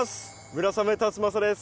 村雨辰剛です。